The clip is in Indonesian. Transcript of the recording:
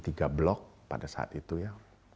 tiga blok pada saat itu ya